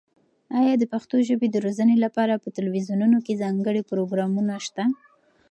ایا د پښتو ژبې د روزنې لپاره په تلویزیونونو کې ځانګړي پروګرامونه شته؟